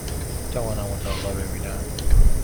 میتوانم اتاق را ببینم؟